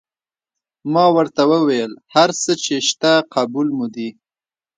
ما ورته وویل: هر څه چې شته قبول مو دي.